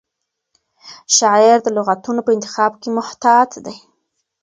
شاعر د لغتونو په انتخاب کې محتاط دی.